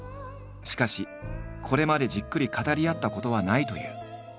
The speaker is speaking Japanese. しかしこれまでじっくり語り合ったことはないという。